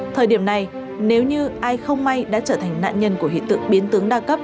thời điểm này nếu như ai không may đã trở thành nạn nhân của hiện tượng biến tướng đa cấp